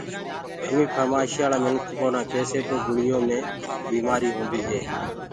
همينٚ ڦرمآشِيآݪآ منکِ ڪونآ ڪيسي تو گُݪيو مي بيٚمآريٚ هونٚديٚ هي